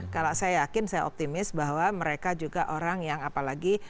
kalau saya yakin saya optimis bahwa mereka juga orang yang apalagi